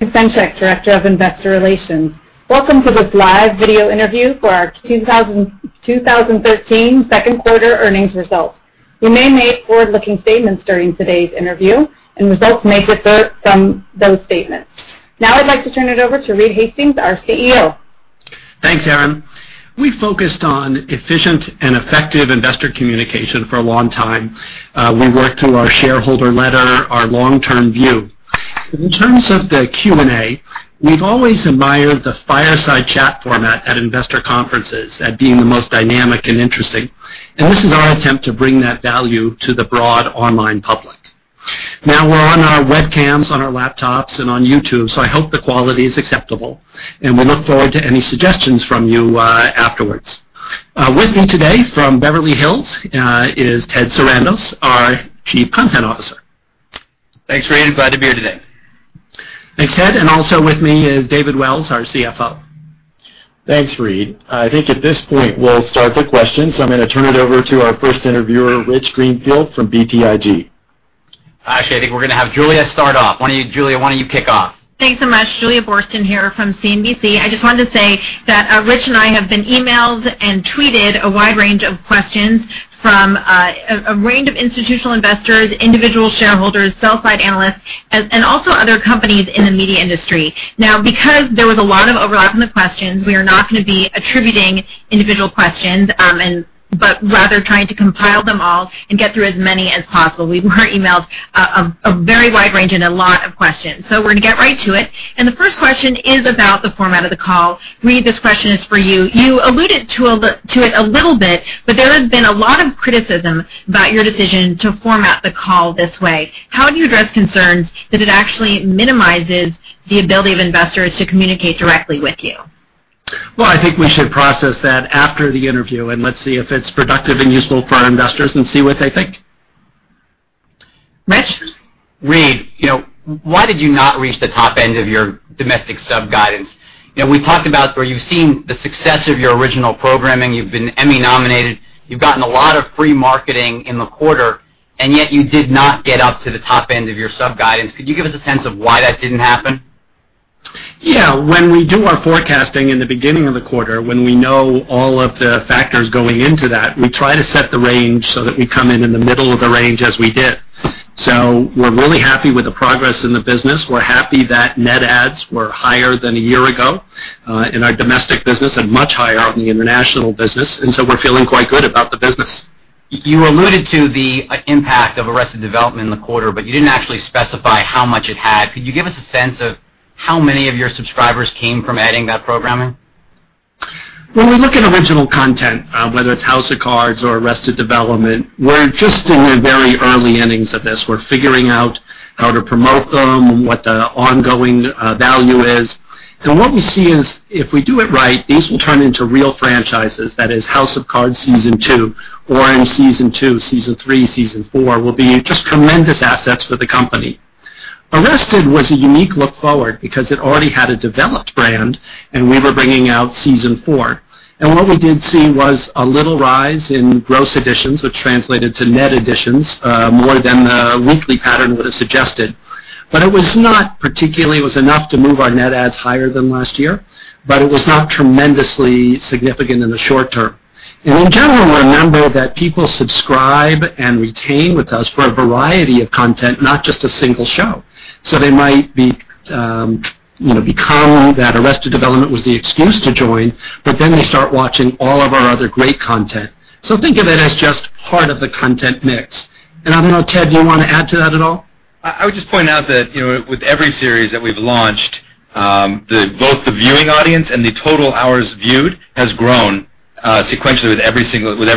Schaefer, Director of Investor Relations. Welcome to this live video interview for our 2013 second quarter earnings results. We may make forward-looking statements during today's interview, and results may differ from those statements. I'd like to turn it over to Reed Hastings, our CEO. Thanks, Erin. We focused on efficient and effective investor communication for a long time. We work through our shareholder letter, our long-term view. In terms of the Q&A, we've always admired the fireside chat format at investor conferences at being the most dynamic and interesting. This is our attempt to bring that value to the broad online public. We're on our webcams, on our laptops, and on YouTube, so I hope the quality is acceptable. We'll look forward to any suggestions from you afterwards. With me today from Beverly Hills is Ted Sarandos, our Chief Content Officer. Thanks, Reed, glad to be here today. Thanks, Ted, also with me is David Wells, our CFO. Thanks, Reed. I think at this point, we'll start the questions. I'm going to turn it over to our first interviewer, Rich Greenfield from BTIG. Actually, I think we're going to have Julia start off. Julia, why don't you kick off? Thanks so much, Julia Boorstin here from CNBC. I just wanted to say that Rich and I have been emailed and tweeted a wide range of questions from a range of institutional investors, individual shareholders, sell-side analysts, and also other companies in the media industry. Now, because there was a lot of overlap in the questions, we are not going to be attributing individual questions, but rather trying to compile them all and get through as many as possible. We were emailed a very wide range and a lot of questions. We're going to get right to it. The first question is about the format of the call. Reed, this question is for you. You alluded to it a little bit, but there has been a lot of criticism about your decision to format the call this way. How do you address concerns that it actually minimizes the ability of investors to communicate directly with you? Well, I think we should process that after the interview. Let's see if it's productive and useful for our investors and see what they think. Rich. Reed, why did you not reach the top end of your domestic sub-guidance? We've talked about where you've seen the success of your original programming, you've been Emmy-nominated, you've gotten a lot of free marketing in the quarter. Yet you did not get up to the top end of your sub-guidance. Could you give us a sense of why that didn't happen? Yeah. When we do our forecasting in the beginning of the quarter, when we know all of the factors going into that, we try to set the range so that we come in in the middle of the range as we did. We're really happy with the progress in the business. We're happy that net adds were higher than a year ago in our domestic business and much higher out in the international business. We're feeling quite good about the business. You alluded to the impact of Arrested Development in the quarter. You didn't actually specify how much it had. Could you give us a sense of how many of your subscribers came from adding that programming? When we look at original content, whether it's "House of Cards" or "Arrested Development," we're just in the very early innings of this. We're figuring out how to promote them and what the ongoing value is. What we see is, if we do it right, these will turn into real franchises. That is, "House of Cards" season 2, "Orange" season 2, season 3, season 4, will be just tremendous assets for the company. "Arrested" was a unique look forward because it already had a developed brand and we were bringing out season 4. What we did see was a little rise in gross additions, which translated to net additions, more than the weekly pattern would have suggested. It was not particularly, it was enough to move our net adds higher than last year, but it was not tremendously significant in the short term. In general, remember that people subscribe and retain with us for a variety of content, not just a single show. They might come, that "Arrested Development" was the excuse to join, but then they start watching all of our other great content. Think of it as just part of the content mix. I don't know, Ted, do you want to add to that at all? I would just point out that with every series that we've launched, both the viewing audience and the total hours viewed has grown sequentially with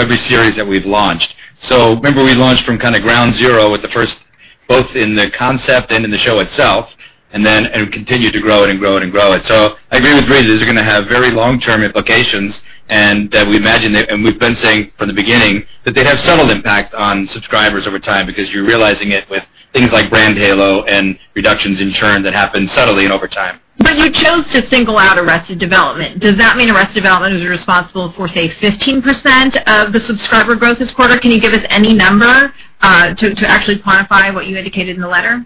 every series that we've launched. Remember we launched from kind of ground zero with the first, both in the concept and in the show itself, and then continued to grow it and grow it. I agree with Reed, these are going to have very long-term implications and that we imagine, and we've been saying from the beginning that they'd have subtle impact on subscribers over time because you're realizing it with things like brand halo and reductions in churn that happen subtly and over time. You chose to single out "Arrested Development". Does that mean "Arrested Development" is responsible for, say, 15% of the subscriber growth this quarter? Can you give us any number to actually quantify what you indicated in the letter?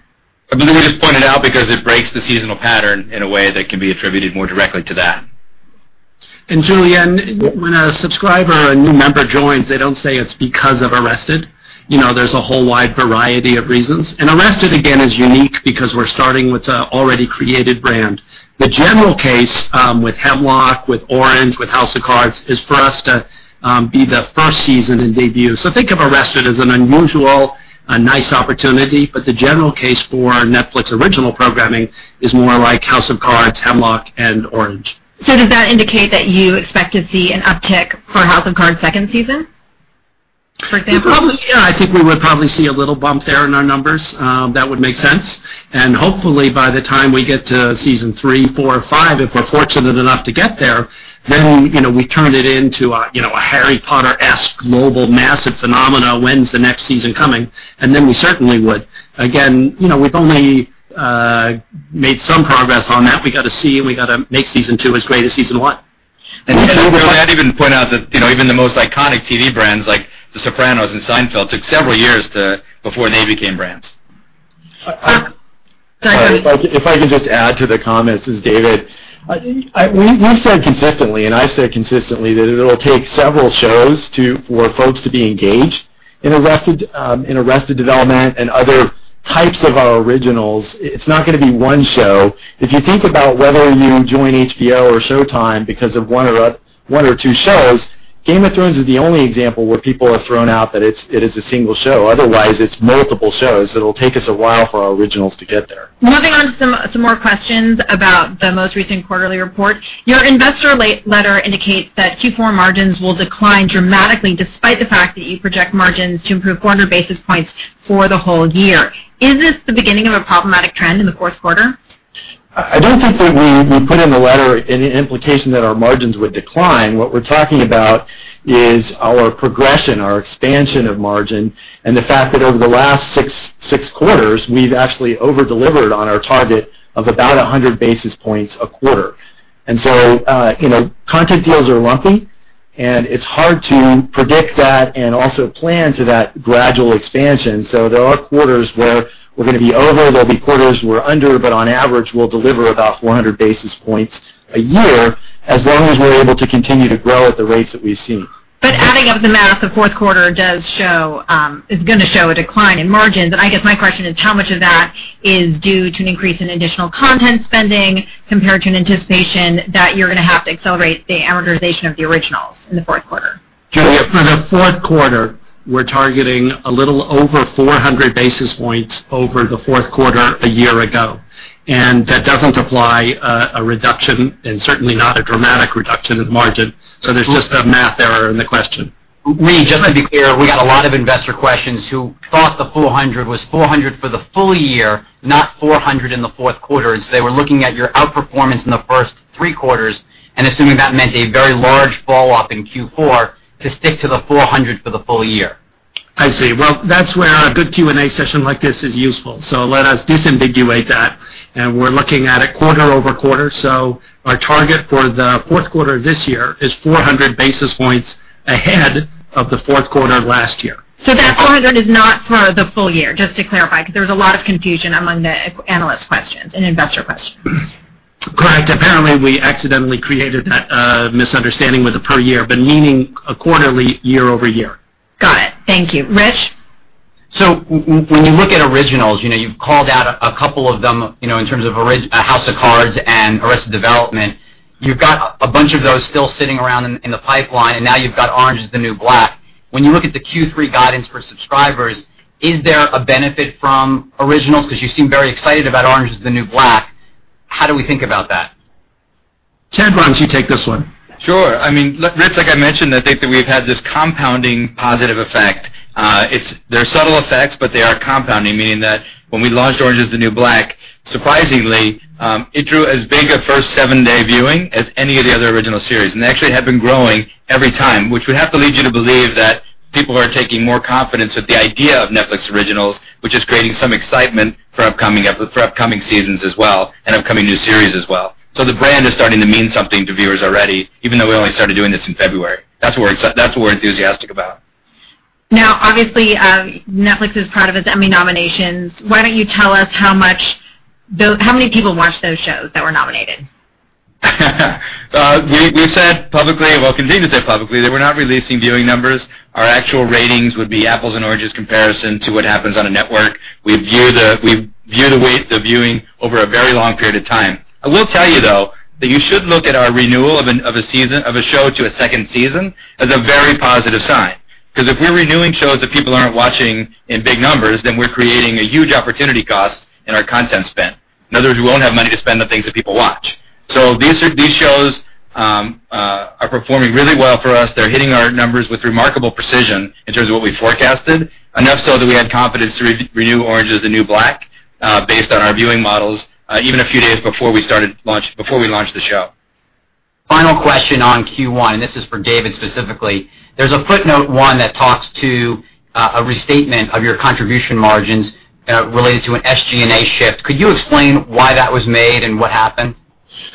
I believe we just pointed out because it breaks the seasonal pattern in a way that can be attributed more directly to that. Julia, when a subscriber or a new member joins, they don't say it's because of "Arrested". There's a whole wide variety of reasons. "Arrested," again, is unique because we're starting with a already created brand. The general case, with "Hemlock," with "Orange," with "House of Cards," is for us to be the first season and debut. Think of "Arrested" as an unusual, nice opportunity, but the general case for Netflix original programming is more like "House of Cards," "Hemlock," and "Orange". Does that indicate that you expect to see an uptick for "House of Cards" second season, for example? Yeah, I think we would probably see a little bump there in our numbers. That would make sense. Hopefully by the time we get to season three, four, or five, if we're fortunate enough to get there, then we turn it into a Harry Potter-esque global massive phenomena, "When's the next season coming?" Then we certainly would. Again, we've only made some progress on that. We got to see and we got to make season two as great as season one. I'd even point out that even the most iconic TV brands like "The Sopranos" and "Seinfeld" took several years before they became brands. If I could just add to the comments, this is David. We've said consistently, I've said consistently, that it'll take several shows for folks to be engaged in "Arrested Development" and other types of our originals. It's not going to be one show. If you think about whether you join HBO or Showtime because of one or two shows, "Game of Thrones" is the only example where people have thrown out that it is a single show. Otherwise, it's multiple shows. It'll take us a while for our originals to get there. Moving on to some more questions about the most recent quarterly report. Your investor letter indicates that Q4 margins will decline dramatically despite the fact that you project margins to improve 400 basis points for the whole year. Is this the beginning of a problematic trend in the fourth quarter? I don't think that we put in the letter any implication that our margins would decline. What we're talking about is our progression, our expansion of margin, and the fact that over the last six quarters, we've actually over-delivered on our target of about 100 basis points a quarter. Content deals are lumpy, and it's hard to predict that and also plan to that gradual expansion. There are quarters where we're going to be over, there'll be quarters we're under, but on average, we'll deliver about 400 basis points a year as long as we're able to continue to grow at the rates that we've seen. Adding up the math, the fourth quarter is going to show a decline in margins. I guess my question is, how much of that is due to an increase in additional content spending compared to an anticipation that you're going to have to accelerate the amortization of the originals in the fourth quarter? Julia, for the fourth quarter, we're targeting a little over 400 basis points over the fourth quarter a year ago. That doesn't imply a reduction and certainly not a dramatic reduction in margin. There's just a math error in the question. Reed, just to be clear, we got a lot of investor questions who thought the 400 was 400 for the full year, not 400 in the fourth quarter. They were looking at your outperformance in the first three quarters and assuming that meant a very large falloff in Q4 to stick to the 400 for the full year. I see. Well, that's where a good Q&A session like this is useful. Let us disambiguate that. We're looking at it quarter-over-quarter. Our target for the fourth quarter this year is 400 basis points ahead of the fourth quarter last year. that 400 is not for the full year, just to clarify, because there was a lot of confusion among the analyst questions and investor questions. Correct. Apparently, we accidentally created that misunderstanding with the per year, but meaning quarterly, year-over-year. Got it. Thank you. Rich? When you look at originals, you've called out a couple of them in terms of House of Cards and Arrested Development. You've got a bunch of those still sitting around in the pipeline, and now you've got Orange Is the New Black. When you look at the Q3 guidance for subscribers, is there a benefit from originals? Because you seem very excited about Orange Is the New Black. How do we think about that? Ted, why don't you take this one? Sure. Rich, like I mentioned, I think that we've had this compounding positive effect. They're subtle effects, but they are compounding, meaning that when we launched "Orange Is the New Black," surprisingly, it drew as big a first seven-day viewing as any of the other Netflix Originals and actually had been growing every time, which would have to lead you to believe that people are taking more confidence with the idea of Netflix Originals, which is creating some excitement for upcoming seasons as well, and upcoming new series as well. The brand is starting to mean something to viewers already, even though we only started doing this in February. That's what we're enthusiastic about. Now, obviously, Netflix is proud of its Emmy nominations. Why don't you tell us how many people watched those shows that were nominated? We've said publicly, well, continue to say publicly, that we're not releasing viewing numbers. Our actual ratings would be apples and oranges comparison to what happens on a network. We view the weight of the viewing over a very long period of time. I will tell you, though, that you should look at our renewal of a show to a second season as a very positive sign. Because if we're renewing shows that people aren't watching in big numbers, then we're creating a huge opportunity cost in our content spend. In other words, we won't have money to spend on things that people watch. These shows are performing really well for us. They're hitting our numbers with remarkable precision in terms of what we forecasted, enough so that we had confidence to renew "Orange Is the New Black" based on our viewing models even a few days before we launched the show. Final question on Q1. This is for David specifically. There's a footnote one that talks to a restatement of your contribution margins related to an SG&A shift. Could you explain why that was made and what happened?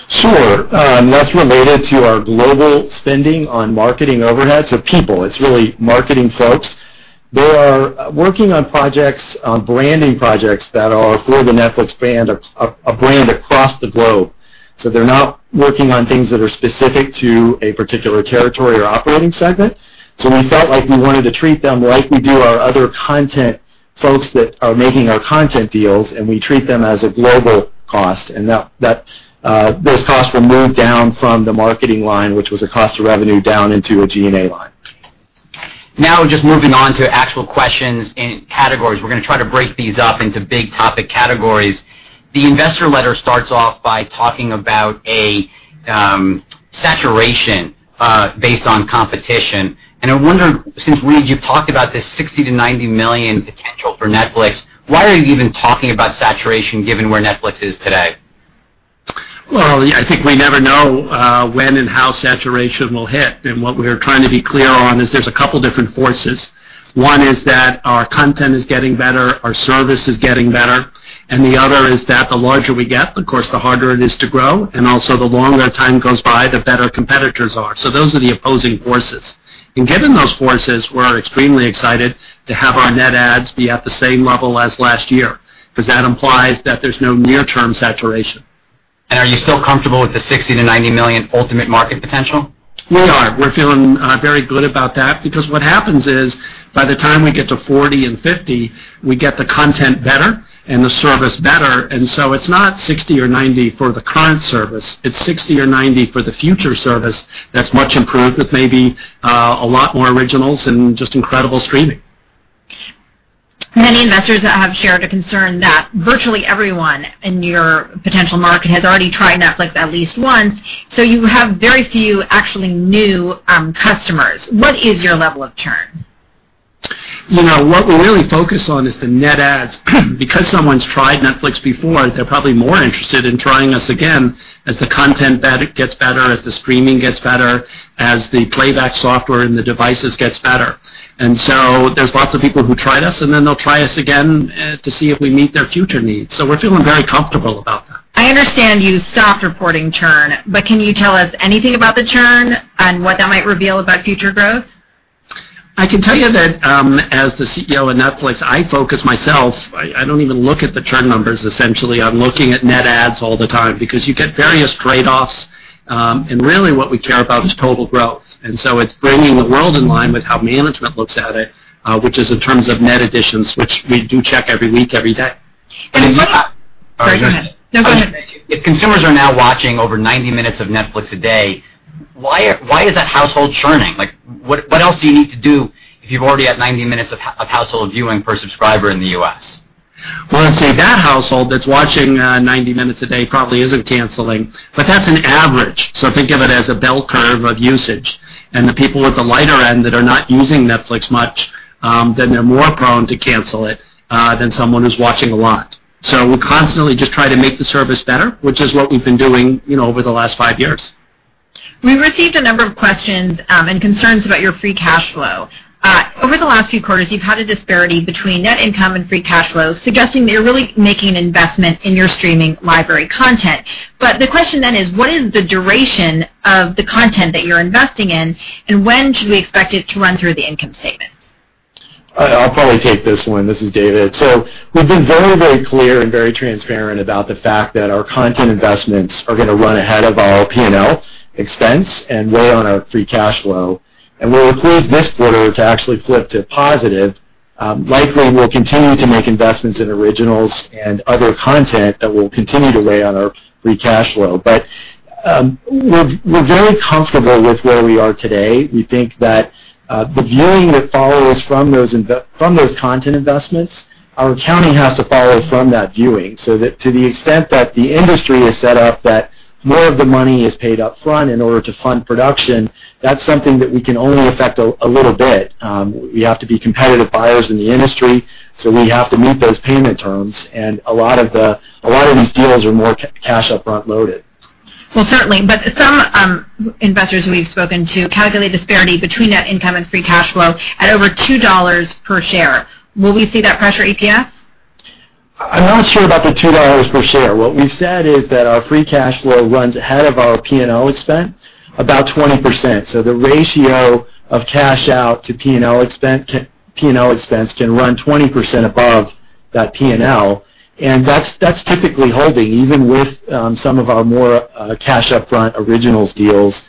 Sure. That's related to our global spending on marketing overhead, so people. It's really marketing folks. They are working on projects, branding projects that are for the Netflix brand, a brand across the globe. They're not working on things that are specific to a particular territory or operating segment. We felt like we wanted to treat them like we do our other content folks that are making our content deals, and we treat them as a global cost. Those costs were moved down from the marketing line, which was a cost of revenue down into a G&A line. Now just moving on to actual questions in categories. We're going to try to break these up into big topic categories. The investor letter starts off by talking about a saturation based on competition. I wonder, since Reed, you've talked about this $60 million-$90 million potential for Netflix, why are you even talking about saturation given where Netflix is today? Well, I think we never know when and how saturation will hit. What we're trying to be clear on is there's a couple different forces. One is that our content is getting better, our service is getting better, and the other is that the larger we get, of course, the harder it is to grow, and also the longer time goes by, the better competitors are. Those are the opposing forces. Given those forces, we're extremely excited to have our net adds be at the same level as last year, because that implies that there's no near-term saturation. Are you still comfortable with the 60 million-90 million ultimate market potential? We are. We're feeling very good about that because what happens is, by the time we get to 40 and 50, we get the content better and the service better. It's not 60 or 90 for the current service, it's 60 or 90 for the future service that's much improved with maybe a lot more originals and just incredible streaming. Many investors have shared a concern that virtually everyone in your potential market has already tried Netflix at least once. You have very few actually new customers. What is your level of churn? What we really focus on is the net adds. Because someone's tried Netflix before, they're probably more interested in trying us again as the content gets better, as the streaming gets better, as the playback software and the devices gets better. There's lots of people who tried us, and then they'll try us again to see if we meet their future needs. We're feeling very comfortable about that. I understand you stopped reporting churn. Can you tell us anything about the churn and what that might reveal about future growth? I can tell you that as the CEO of Netflix, I focus myself. I don't even look at the churn numbers, essentially. I'm looking at net adds all the time because you get various trade-offs. Really what we care about is total growth. It's bringing the world in line with how management looks at it, which is in terms of net additions, which we do check every week, every day. And- And if you- Go ahead. Go ahead. No, go ahead. If consumers are now watching over 90 minutes of Netflix a day, why is that household churning? What else do you need to do if you're already at 90 minutes of household viewing per subscriber in the U.S.? Let's see, that household that's watching 90 minutes a day probably isn't canceling, but that's an average. Think of it as a bell curve of usage. The people at the lighter end that are not using Netflix much, they're more prone to cancel it than someone who's watching a lot. We're constantly just trying to make the service better, which is what we've been doing over the last five years. We've received a number of questions and concerns about your free cash flow. Over the last few quarters, you've had a disparity between net income and free cash flow, suggesting that you're really making an investment in your streaming library content. The question then is, what is the duration of the content that you're investing in, and when should we expect it to run through the income statement? I'll probably take this one. This is David. We've been very clear and very transparent about the fact that our content investments are going to run ahead of our P&L expense and weigh on our free cash flow. We're pleased this quarter to actually flip to positive. Likely, we'll continue to make investments in originals and other content that will continue to weigh on our free cash flow. We're very comfortable with where we are today. We think that the viewing that follows from those content investments, our accounting has to follow from that viewing. That to the extent that the industry is set up, that more of the money is paid up front in order to fund production, that's something that we can only affect a little bit. We have to be competitive buyers in the industry, we have to meet those payment terms, a lot of these deals are more cash up front-loaded. Well, certainly. Some investors we've spoken to calculate disparity between net income and free cash flow at over $2 per share. Will we see that pressure EPS? I'm not sure about the $2 per share. What we said is that our free cash flow runs ahead of our P&L expense about 20%. The ratio of cash out to P&L expense can run 20% above that P&L, that's typically holding, even with some of our more cash up front Netflix Originals deals.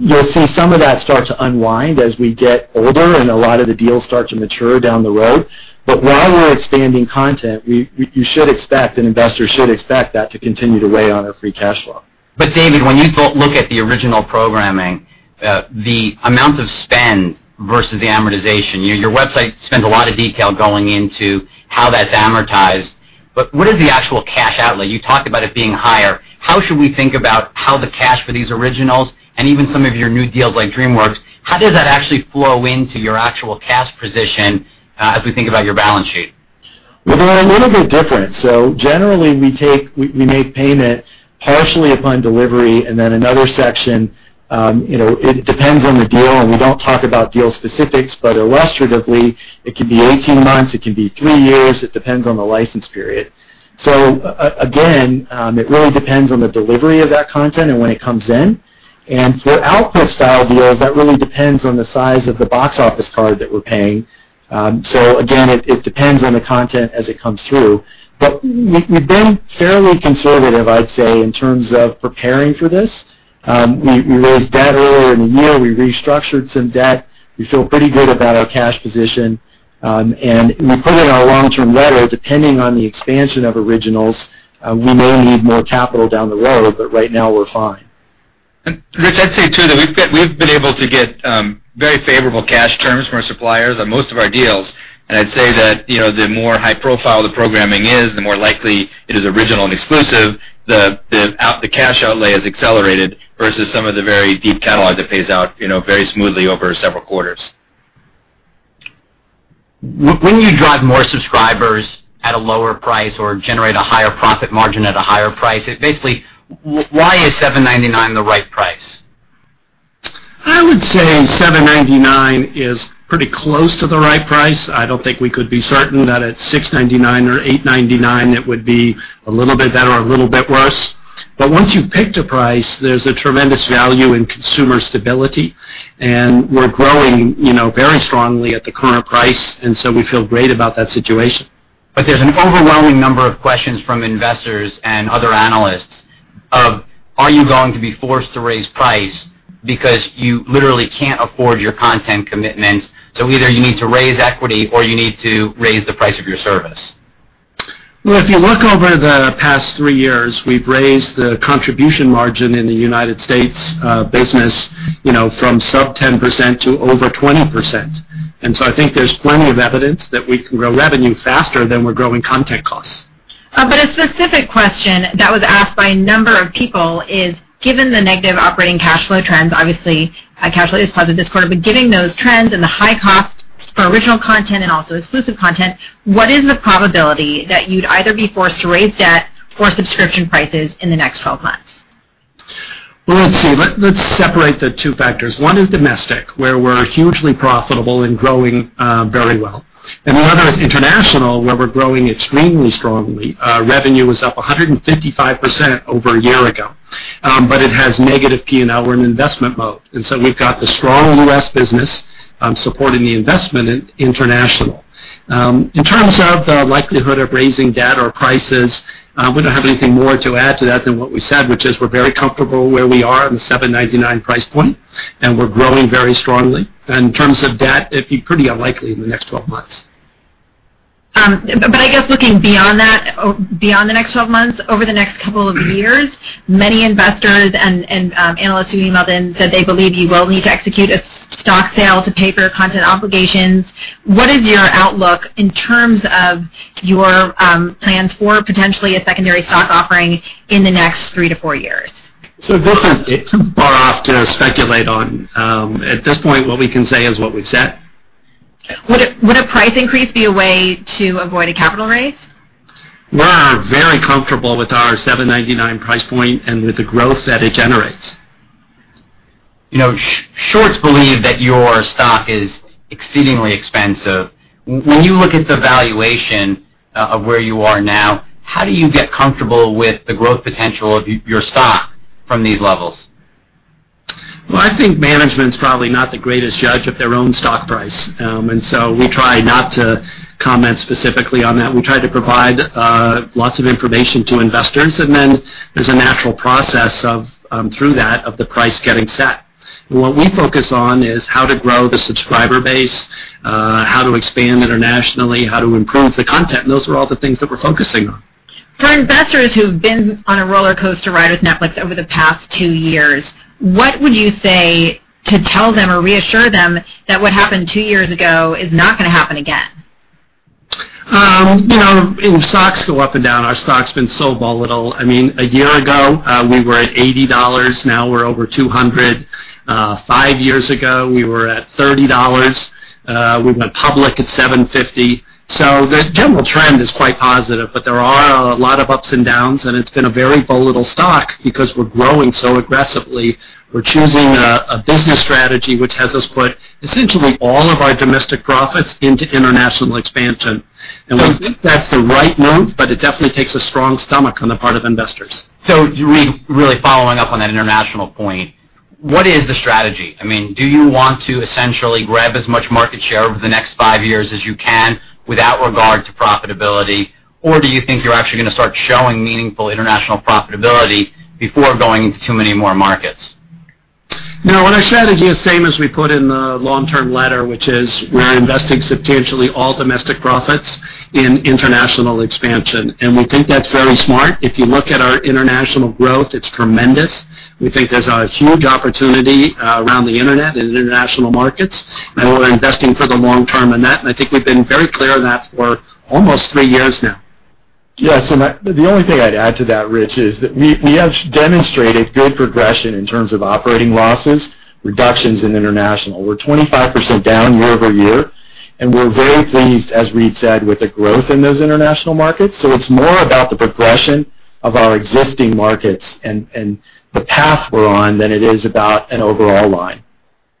You'll see some of that start to unwind as we get older a lot of the deals start to mature down the road. While we're expanding content, you should expect, investors should expect that to continue to weigh on our free cash flow. David, when you look at the original programming, the amount of spend versus the amortization, your website spends a lot of detail going into how that's amortized. What is the actual cash outlay? You talked about it being higher. How should we think about how the cash for these Netflix Originals and even some of your new deals like DreamWorks, how does that actually flow into your actual cash position as we think about your balance sheet? They're a little bit different. Generally, we make payment partially upon delivery, and then another section, it depends on the deal, and we don't talk about deal specifics, but illustratively, it can be 18 months, it can be three years. It depends on the license period. Again, it really depends on the delivery of that content and when it comes in. For output-style deals, that really depends on the size of the box office card that we're paying. Again, it depends on the content as it comes through. We've been fairly conservative, I'd say, in terms of preparing for this. We raised debt earlier in the year. We restructured some debt. We feel pretty good about our cash position. We put in our long-term letter, depending on the expansion of Originals, we may need more capital down the road, right now we're fine. Rich, I'd say, too, that we've been able to get very favorable cash terms from our suppliers on most of our deals, I'd say that the more high profile the programming is, the more likely it is Original and exclusive, the cash outlay is accelerated versus some of the very deep catalog that pays out very smoothly over several quarters. When do you drive more subscribers at a lower price or generate a higher profit margin at a higher price? Basically, why is $7.99 the right price? I would say $7.99 is pretty close to the right price. I don't think we could be certain that at $6.99 or $8.99 it would be a little bit better or a little bit worse. Once you've picked a price, there's a tremendous value in consumer stability, we're growing very strongly at the current price, we feel great about that situation. There's an overwhelming number of questions from investors and other analysts of, are you going to be forced to raise price because you literally can't afford your content commitments? Either you need to raise equity or you need to raise the price of your service. Well, if you look over the past three years, we've raised the contribution margin in the United States business from sub 10% to over 20%. I think there's plenty of evidence that we can grow revenue faster than we're growing content costs. A specific question that was asked by a number of people is, given the negative operating cash flow trends, obviously, cash flow is positive this quarter, but given those trends and the high cost for original content and also exclusive content, what is the probability that you'd either be forced to raise debt or subscription prices in the next 12 months? Well, let's see. Let's separate the two factors. One is domestic, where we're hugely profitable and growing very well. The other is international, where we're growing extremely strongly. Revenue was up 155% over a year ago. It has negative P&L. We're in investment mode. So we've got the strong U.S. business supporting the investment in international. In terms of the likelihood of raising debt or prices, we don't have anything more to add to that than what we said, which is we're very comfortable where we are in the $7.99 price point, and we're growing very strongly. In terms of debt, it'd be pretty unlikely in the next 12 months. I guess looking beyond the next 12 months, over the next couple of years, many investors and analysts we meet with have said they believe you will need to execute a stock sale to pay for your content obligations. What is your outlook in terms of your plans for potentially a secondary stock offering in the next three to four years? This is far off to speculate on. At this point, what we can say is what we've said. Would a price increase be a way to avoid a capital raise? We're very comfortable with our $7.99 price point and with the growth that it generates. Shorts believe that your stock is exceedingly expensive. When you look at the valuation of where you are now, how do you get comfortable with the growth potential of your stock from these levels? Well, I think management's probably not the greatest judge of their own stock price. We try not to comment specifically on that. We try to provide lots of information to investors, there's a natural process through that of the price getting set. What we focus on is how to grow the subscriber base, how to expand internationally, how to improve the content, and those are all the things that we're focusing on. For investors who've been on a roller coaster ride with Netflix over the past two years, what would you say to tell them or reassure them that what happened two years ago is not going to happen again? Stocks go up and down. Our stock's been so volatile. A year ago, we were at $80. Now we're over $200. Five years ago, we were at $30. We went public at $7.50. The general trend is quite positive, but there are a lot of ups and downs, and it's been a very volatile stock because we're growing so aggressively. We're choosing a business strategy which has us put essentially all of our domestic profits into international expansion. We think that's the right move, but it definitely takes a strong stomach on the part of investors. Reed, really following up on that international point, what is the strategy? Do you want to essentially grab as much market share over the next five years as you can without regard to profitability? Or do you think you're actually going to start showing meaningful international profitability before going into too many more markets? No, our strategy is the same as we put in the long-term letter, which is we're investing substantially all domestic profits in international expansion. We think that's very smart. If you look at our international growth, it's tremendous. We think there's a huge opportunity around the internet in international markets, we're investing for the long term in that, I think we've been very clear on that for almost three years now. Yes, the only thing I'd add to that, Rich, is that we have demonstrated good progression in terms of operating losses, reductions in international. We're 25% down year-over-year, we're very pleased, as Reed said, with the growth in those international markets. It's more about the progression of our existing markets and the path we're on than it is about an overall line.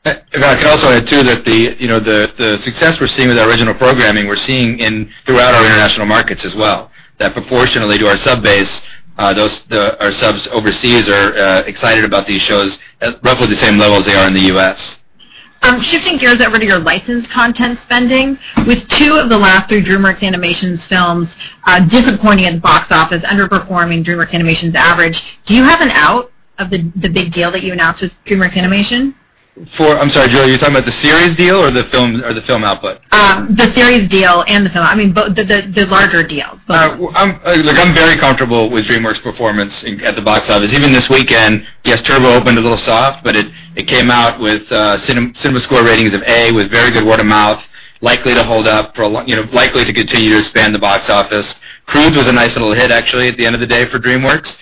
If I could also add, too, that the success we're seeing with our original programming, we're seeing throughout our international markets as well. That proportionally to our sub base, our subs overseas are excited about these shows at roughly the same level as they are in the U.S. Shifting gears over to your licensed content spending, with two of the last three DreamWorks Animation films disappointing at the box office, underperforming DreamWorks Animation's average, do you have an out of the big deal that you announced with DreamWorks Animation? I'm sorry, Julia, are you talking about the series deal or the film output? The series deal and the film. The larger deal. Look, I'm very comfortable with DreamWorks' performance at the box office. Even this weekend, yes, "Turbo" opened a little soft, but it came out with CinemaScore ratings of A with very good word of mouth, likely to continue to expand the box office. "The Croods" was a nice little hit, actually, at the end of the day for DreamWorks.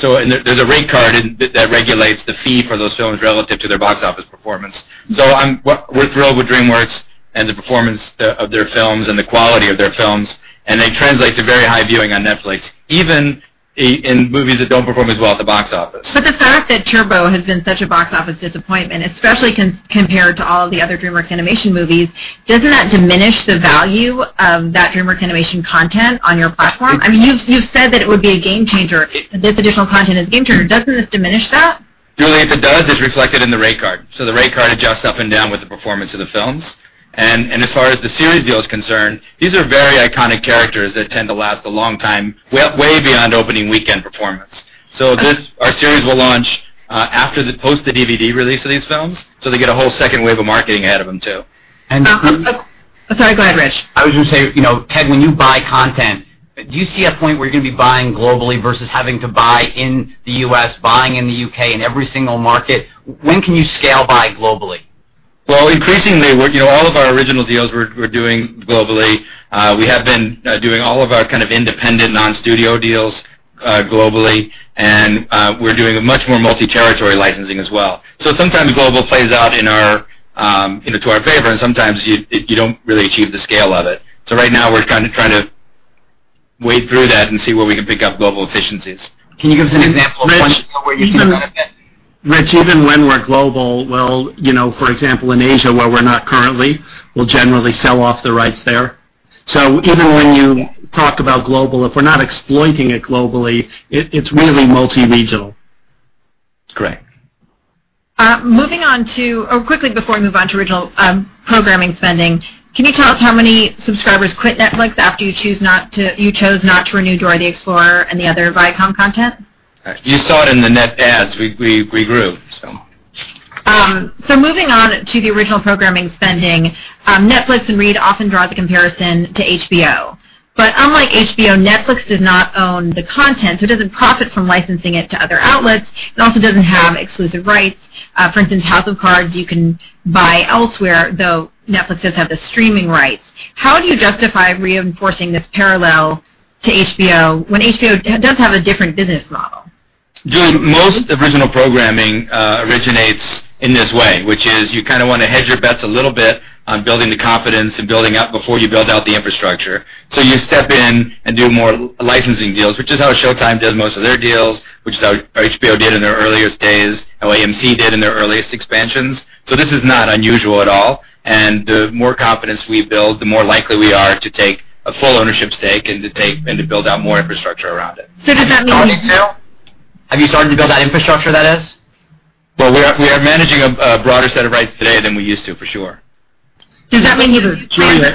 There's a rate card that regulates the fee for those films relative to their box office performance. We're thrilled with DreamWorks and the performance of their films and the quality of their films, and they translate to very high viewing on Netflix, even in movies that don't perform as well at the box office. The fact that "Turbo" has been such a box office disappointment, especially compared to all of the other DreamWorks Animation movies, doesn't that diminish the value of that DreamWorks Animation content on your platform? You've said that it would be a game changer, that this additional content is a game changer. Doesn't this diminish that? Julia, if it does, it's reflected in the rate card. The rate card adjusts up and down with the performance of the films. As far as the series deal is concerned, these are very iconic characters that tend to last a long time, way beyond opening weekend performance. Our series will launch post the DVD release of these films, so they get a whole second wave of marketing ahead of them, too. And- Sorry, go ahead, Rich. I was going to say, Ted, when you buy content, do you see a point where you're going to be buying globally versus having to buy in the U.S., buying in the U.K., in every single market? When can you scale buy globally? Increasingly, all of our original deals we're doing globally. We have been doing all of our kind of independent non-studio deals globally, and we're doing much more multi-territory licensing as well. Sometimes global plays out to our favor, and sometimes you don't really achieve the scale of it. Right now we're kind of trying to wade through that and see where we can pick up global efficiencies. Can you give us an example of one where you see the benefit? Rich, even when we're global, for example, in Asia where we're not currently, we'll generally sell off the rights there. Even when you talk about global, if we're not exploiting it globally, it's really multi-regional. Correct. Quickly before we move on to original programming spending, can you tell us how many subscribers quit Netflix after you chose not to renew "Dora the Explorer" and the other Viacom content? You saw it in the net adds. We grew. Moving on to the original programming spending, Netflix and Reed often draws a comparison to HBO. Unlike HBO, Netflix does not own the content, so it doesn't profit from licensing it to other outlets. It also doesn't have exclusive rights. For instance, "House of Cards" you can buy elsewhere, though Netflix does have the streaming rights. How do you justify reinforcing this parallel to HBO when HBO does have a different business model? Julia, most of the original programming originates in this way, which is you kind of want to hedge your bets a little bit on building the confidence and building out before you build out the infrastructure. You step in and do more licensing deals, which is how Showtime does most of their deals, which is how HBO did in their earliest days, how AMC did in their earliest expansions. This is not unusual at all, and the more confidence we build, the more likely we are to take a full ownership stake and to build out more infrastructure around it. Does that mean? Have you started to build that infrastructure, that is? Well, we are managing a broader set of rights today than we used to, for sure. Does that mean you? Julia,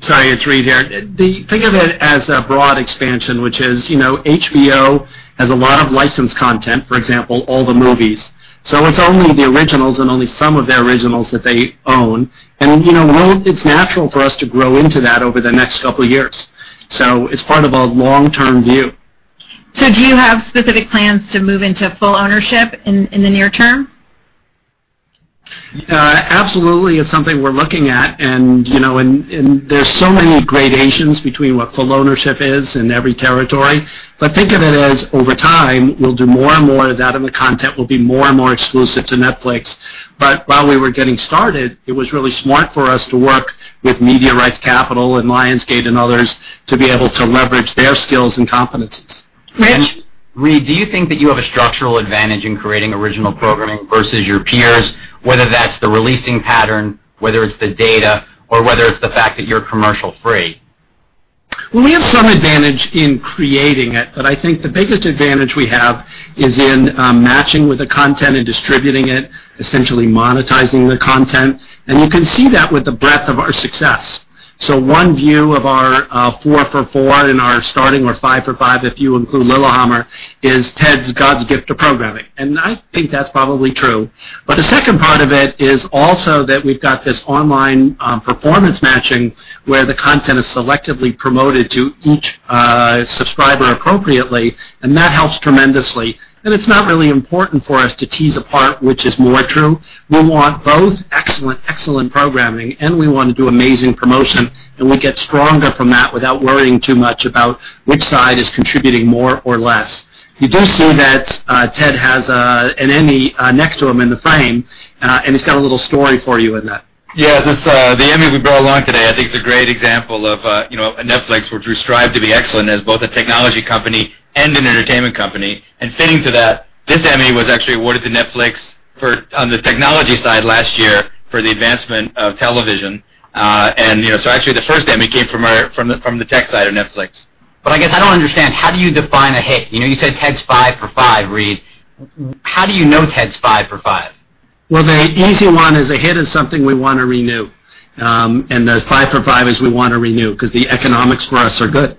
sorry, it's Reed here. Think of it as a broad expansion, which is HBO has a lot of licensed content, for example, all the movies. It's only the originals and only some of the originals that they own. It's natural for us to grow into that over the next couple of years. It's part of a long-term view. Do you have specific plans to move into full ownership in the near term? Absolutely. It's something we're looking at, there's so many gradations between what full ownership is in every territory. Think of it as, over time, we'll do more and more of that and the content will be more and more exclusive to Netflix. While we were getting started, it was really smart for us to work with Media Rights Capital and Lionsgate and others to be able to leverage their skills and competencies. Rich? Reed, do you think that you have a structural advantage in creating original programming versus your peers, whether that's the releasing pattern, whether it's the data, or whether it's the fact that you're commercial-free? Well, we have some advantage in creating it, I think the biggest advantage we have is in matching with the content and distributing it, essentially monetizing the content. You can see that with the breadth of our success. One view of our 4 for 4 in our starting, or 5 for 5 if you include "Lilyhammer," is Ted's God's gift to programming. I think that's probably true. The second part of it is also that we've got this online performance matching where the content is selectively promoted to each subscriber appropriately, and that helps tremendously. It's not really important for us to tease apart which is more true. We want both excellent programming and we want to do amazing promotion, and we get stronger from that without worrying too much about which side is contributing more or less. You do see that Ted has an Emmy next to him in the frame, he's got a little story for you in that. Yes. The Emmy we brought along today I think is a great example of Netflix, which we strive to be excellent as both a technology company and an entertainment company. Fitting to that, this Emmy was actually awarded to Netflix on the technology side last year for the advancement of television. So actually the first Emmy came from the tech side of Netflix. I guess I don't understand, how do you define a hit? You said Ted's 5 for 5, Reed. How do you know Ted's 5 for 5? Well, the easy one is a hit is something we want to renew, and the five for five is we want to renew because the economics for us are good.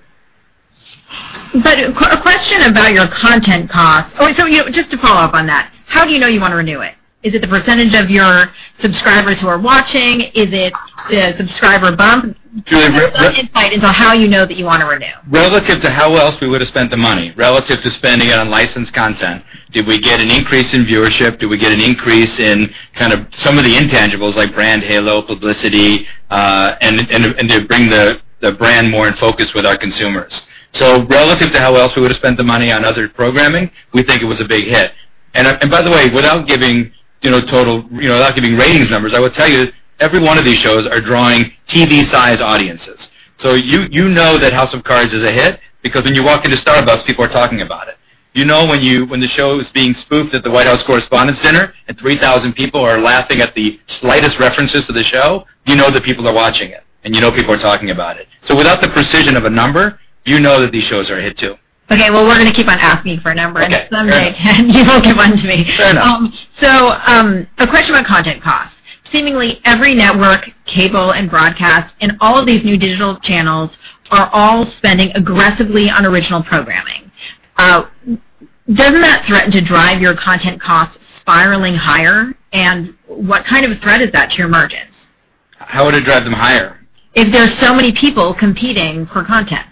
A question about your content cost. Oh, just to follow up on that, how do you know you want to renew it? Is it the percentage of your subscribers who are watching? Is it the subscriber bump? Julie- Just some insight into how you know that you want to renew. Relative to how else we would've spent the money, relative to spending it on licensed content. Did we get an increase in viewership? Did we get an increase in kind of some of the intangibles like brand halo, publicity, and to bring the brand more in focus with our consumers. Relative to how else we would've spent the money on other programming, we think it was a big hit. By the way, without giving ratings numbers, I would tell you every one of these shows are drawing TV-size audiences. You know that "House of Cards" is a hit because when you walk into Starbucks, people are talking about it. You know when the show is being spoofed at the White House Correspondents' Dinner and 3,000 people are laughing at the slightest references to the show, you know that people are watching it and you know people are talking about it. Without the precision of a number, you know that these shows are a hit, too. Okay. Well, we're going to keep on asking for a number. Okay, fair enough. Someday, Ted, you will give one to me. Fair enough. A question about content cost. Seemingly every network, cable and broadcast, and all of these new digital channels are all spending aggressively on original programming. Doesn't that threaten to drive your content costs spiraling higher? What kind of a threat is that to your margins? How would it drive them higher? If there's so many people competing for content.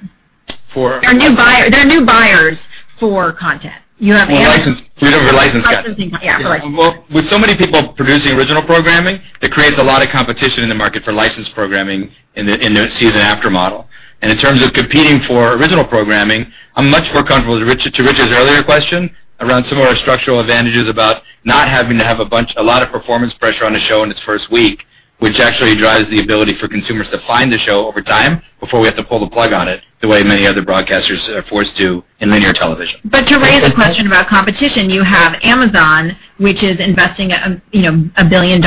For- There are new buyers for content. You have Amazon. Well, license. We have our license content. Licensing content. Yeah. Well, with so many people producing original programming, it creates a lot of competition in the market for licensed programming in the season after model. In terms of competing for original programming, I'm much more comfortable, to Richard's earlier question, around some of our structural advantages about not having to have a lot of performance pressure on a show in its first week, which actually drives the ability for consumers to find the show over time before we have to pull the plug on it, the way many other broadcasters are forced to in linear television. To raise a question about competition, you have Amazon, which is investing $1 billion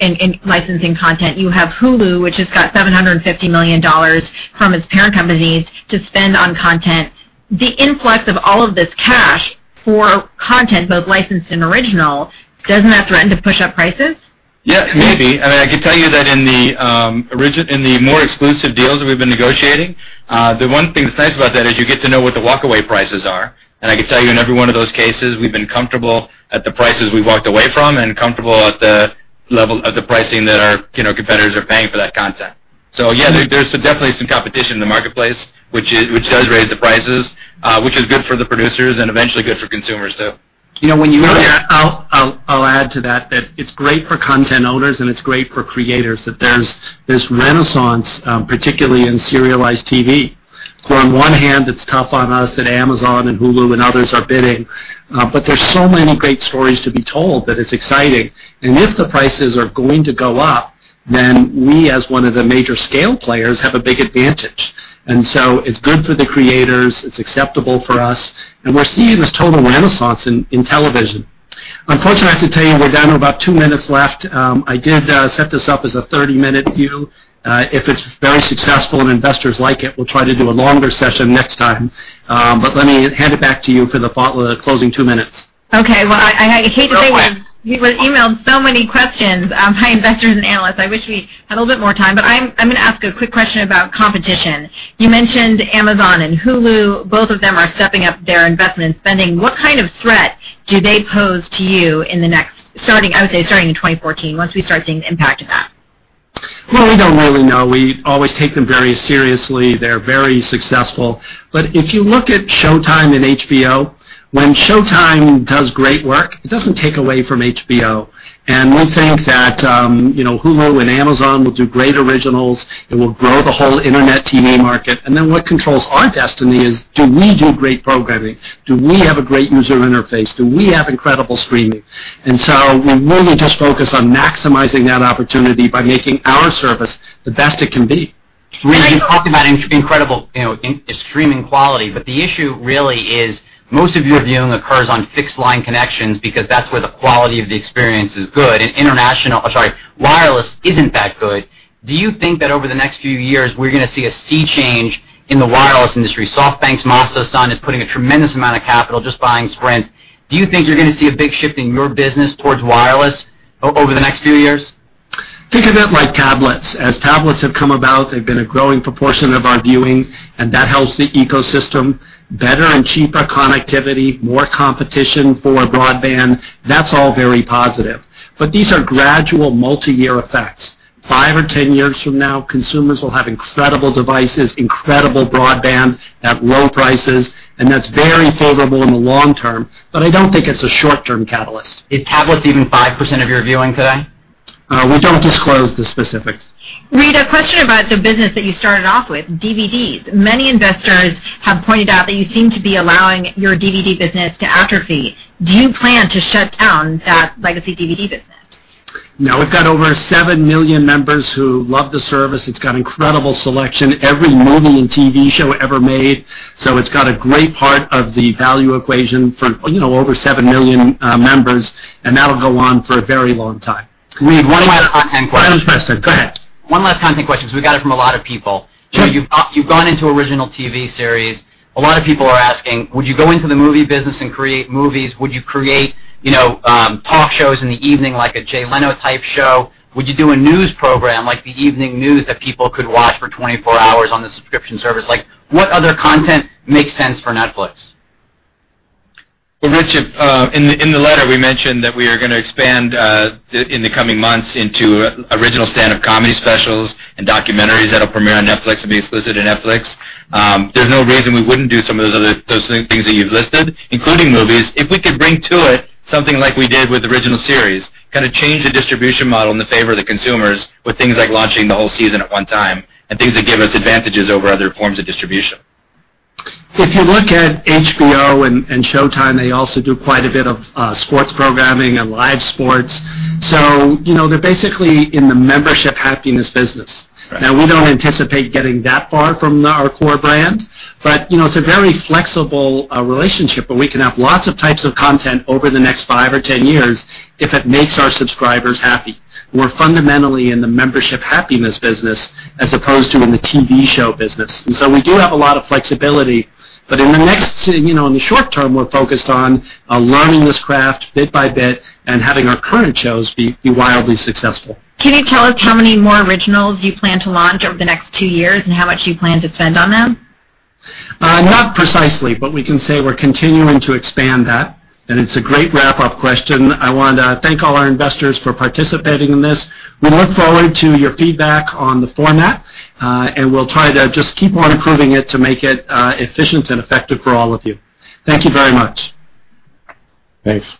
in licensing content. You have Hulu, which has got $750 million from its parent companies to spend on content. The influx of all of this cash for content, both licensed and original, doesn't that threaten to push up prices? Yeah, maybe. I can tell you that in the more exclusive deals that we've been negotiating, the one thing that's nice about that is you get to know what the walkaway prices are. I can tell you in every one of those cases, we've been comfortable at the prices we've walked away from and comfortable at the level of the pricing that our competitors are paying for that content. Yeah, there's definitely some competition in the marketplace, which does raise the prices, which is good for the producers and eventually good for consumers, too. I'll add to that it's great for content owners and it's great for creators that there's this renaissance, particularly in serialized TV. On one hand, it's tough on us that Amazon and Hulu and others are bidding. There's so many great stories to be told that it's exciting. If the prices are going to go up, then we, as one of the major scale players, have a big advantage. It's good for the creators, it's acceptable for us, and we're seeing this total renaissance in television. Unfortunately, I have to tell you we're down to about two minutes left. I did set this up as a 30-minute view. If it's very successful and investors like it, we'll try to do a longer session next time. Let me hand it back to you for the closing two minutes. Well, I hate to say we've emailed so many questions by investors and analysts. I wish we had a little bit more time, but I'm going to ask a quick question about competition. You mentioned Amazon and Hulu, both of them are stepping up their investment spending. What kind of threat do they pose to you in the next, I would say starting in 2014, once we start seeing the impact of that? We don't really know. We always take them very seriously. They're very successful. If you look at Showtime and HBO, when Showtime does great work, it doesn't take away from HBO. We think that Hulu and Amazon will do great originals and will grow the whole internet TV market. What controls our destiny is do we do great programming? Do we have a great user interface? Do we have incredible streaming? We really just focus on maximizing that opportunity by making our service the best it can be. Reed, you talked about incredible streaming quality, the issue really is most of your viewing occurs on fixed line connections because that's where the quality of the experience is good, and wireless isn't that good. Do you think that over the next few years, we're going to see a sea change in the wireless industry? SoftBank's Masayoshi Son is putting a tremendous amount of capital just buying Sprint. Do you think you're going to see a big shift in your business towards wireless over the next few years? Think of it like tablets. As tablets have come about, they've been a growing proportion of our viewing, and that helps the ecosystem. Better and cheaper connectivity, more competition for broadband, that's all very positive. These are gradual multi-year effects. 5 or 10 years from now, consumers will have incredible devices, incredible broadband at low prices, that's very favorable in the long term, I don't think it's a short-term catalyst. Is tablets even 5% of your viewing today? We don't disclose the specifics. Reed, a question about the business that you started off with, DVDs. Many investors have pointed out that you seem to be allowing your DVD business to atrophy. Do you plan to shut down that legacy DVD business? No, we've got over 7 million members who love the service. It's got incredible selection. Every movie and TV show ever made. It's got a great part of the value equation for over 7 million members, and that'll go on for a very long time. Reed, one last content question. Last question. Go ahead. One last content question, because we got it from a lot of people. You've gone into original TV series. A lot of people are asking, would you go into the movie business and create movies? Would you create talk shows in the evening, like a Jay Leno type show? Would you do a news program like the evening news that people could watch for 24 hours on the subscription service? What other content makes sense for Netflix? Well, Richard, in the letter, we mentioned that we are going to expand in the coming months into original stand-up comedy specials and documentaries that'll premiere on Netflix and be exclusive to Netflix. There's no reason we wouldn't do some of those other things that you've listed, including movies, if we could bring to it something like we did with the original series, kind of change the distribution model in the favor of the consumers with things like launching the whole season at one time and things that give us advantages over other forms of distribution. If you look at HBO and Showtime, they also do quite a bit of sports programming and live sports. They're basically in the membership happiness business. Right. We don't anticipate getting that far from our core brand, but it's a very flexible relationship where we can have lots of types of content over the next five or 10 years if it makes our subscribers happy. We're fundamentally in the membership happiness business as opposed to in the TV show business. We do have a lot of flexibility. In the short term, we're focused on learning this craft bit by bit and having our current shows be wildly successful. Can you tell us how many more originals you plan to launch over the next two years and how much you plan to spend on them? Not precisely, we can say we're continuing to expand that, it's a great wrap-up question. I want to thank all our investors for participating in this. We look forward to your feedback on the format, we'll try to just keep on improving it to make it efficient and effective for all of you. Thank you very much. Thanks.